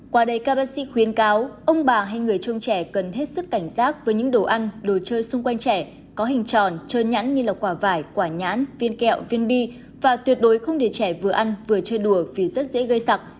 quả đầy ca bác sĩ khuyên cáo ông bà hay người trông trẻ cần hết sức cảnh giác với những đồ ăn đồ chơi xung quanh trẻ có hình tròn trơn nhãn như quả vải quả nhãn viên kẹo viên bi và tuyệt đối không để trẻ vừa ăn vừa chơi đùa vì rất dễ gây sặc